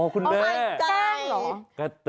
อ๋อคุณแม่เอาให้จ้างเหรอ